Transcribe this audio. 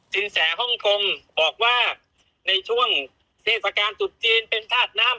สินแสฮ่องกงบอกว่าในช่วงเทศกาลตุดจีนเป็นธาตุน้ำ